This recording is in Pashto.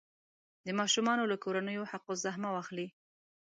د ماشومانو له کورنیو حق الزحمه واخلي.